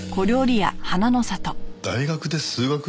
大学で数学？